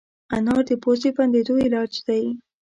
انار د پوزې بندېدو علاج دی.